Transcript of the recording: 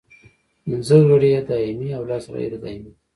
پنځه غړي یې دایمي او لس غیر دایمي دي.